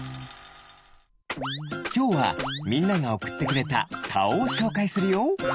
きょうはみんながおくってくれたかおをしょうかいするよ。